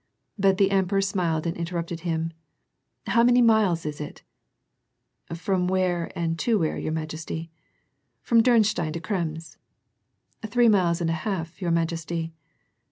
But the emperor smiled and interrupted him, — "How many miles is it ?"" From where and to where, your majesty ?" "From Diirenstein to Krems?" "Three miles and a half, your majesty."